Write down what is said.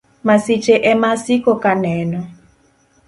Masiche emaasiko kaneno.